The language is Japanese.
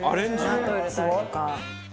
納豆入れたりとか。